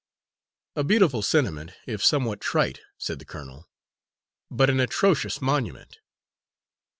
_'" "A beautiful sentiment, if somewhat trite," said the colonel, "but an atrocious monument."